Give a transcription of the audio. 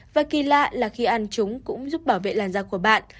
và kỳ lạ là khi ăn chúng cũng giúp bảo vệ làn da của bạn